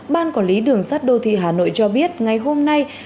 ban quản lý đường sắt đô thị hà nội cho biết ngày hôm nay